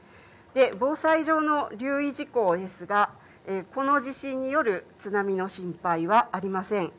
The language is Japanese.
防災上の留意事項ですが、この地震による津波の心配はありません。